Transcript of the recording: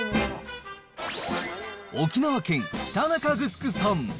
沖縄県北中城村。